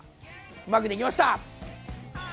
うまくできました！